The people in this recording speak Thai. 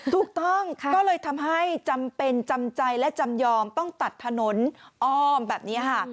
ถูกต้องก็เลยทำให้จำเป็นจำใจและจำยอมต้องตัดถนนอ้อมแบบนี้ค่ะ